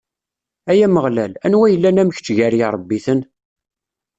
Ay Ameɣlal, anwa yellan am kečč gar iṛebbiten?